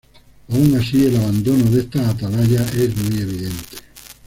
Aun así, el abandono de estas atalayas es muy evidente.